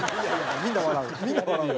みんな笑うよ。